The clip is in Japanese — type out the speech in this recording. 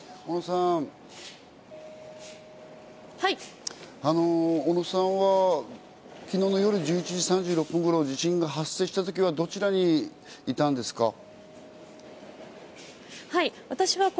小野さんは昨日の夜１１時３６分頃、地震が発生した時はどちらにいたんですか？